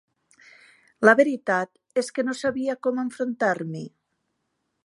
La veritat és que no sabia com enfrontar-m'hi.